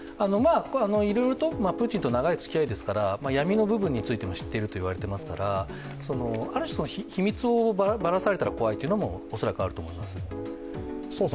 いろいろとプーチンと長いつきあいですから闇の部分についても知っていると言われていますから、秘密をばらされたら怖いというのも恐らくあると思います。